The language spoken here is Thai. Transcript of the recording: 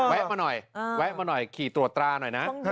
มาหน่อยแวะมาหน่อยขี่ตรวจตราหน่อยนะ